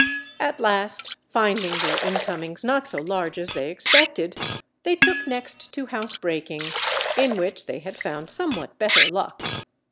At last, finding their incomings not so large as they expected, they took next to housebreaking, in which they had found somewhat better luck.